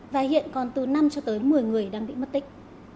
và hiện còn từ năm cho tới một mươi người đang bị mất tích